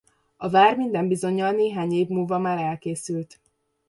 A vár minden bizonnyal néhány év múlva már elkészült.